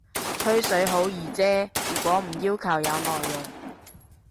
吹水好易啫，如果唔要求有內容